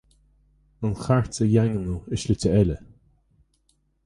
An Chairt a dhaingniú i slite eile.